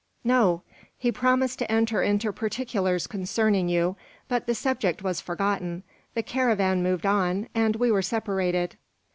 "No. He promised to enter into particulars concerning you, but the subject was forgotten, the caravan moved on, and we were separated."